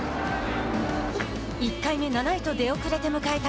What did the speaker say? １回目７位と出遅れて迎えた